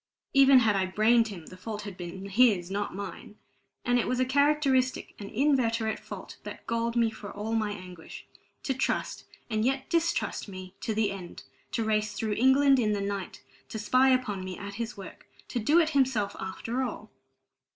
Even had I brained him, the fault had been his, not mine. And it was a characteristic, an inveterate fault, that galled me for all my anguish: to trust and yet distrust me to the end, to race through England in the night, to spy upon me at his work to do it himself after all!